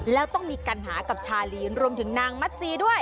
แล้วต้องมีปัญหากับชาลีนรวมถึงนางมัสซีด้วย